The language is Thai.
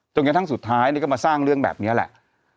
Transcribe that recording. จนกระทั่งสุดท้ายก็มาสร้างเรื่องแบบนี้แหละ